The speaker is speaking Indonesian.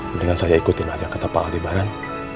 mendingan saya ikutin aja kata pak adebaran